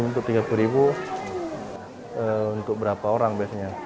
untuk tiga puluh ribu untuk berapa orang biasanya